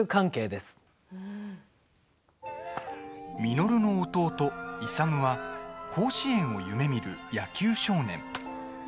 稔の弟・勇は甲子園を夢みる野球少年。